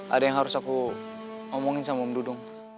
ada yang harus aku omongin sama om dudung